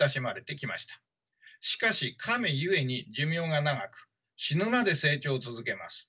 しかしカメ故に寿命が長く死ぬまで成長を続けます。